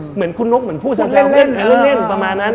เหมือนคุณนกเหมือนพูดสั้นเล่นประมาณนั้น